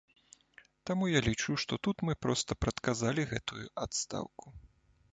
Таму я лічу, што тут мы проста прадказалі гэтую адстаўку.